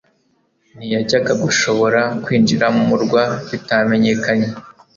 ntiyajyaga gushobora kwinjira mu murwa bitamenyekanye,